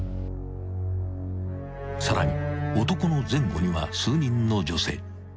［さらに男の前後には数人の女性］